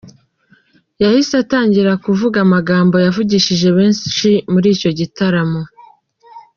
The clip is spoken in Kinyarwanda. Yahise atangira kuvuga amagambo yavugishije benshi muri icyo gitaramo.